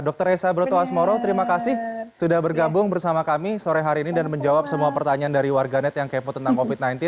dr resa broto asmoro terima kasih sudah bergabung bersama kami sore hari ini dan menjawab semua pertanyaan dari warganet yang kepo tentang covid sembilan belas